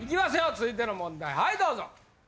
続いての問題はいどうぞ！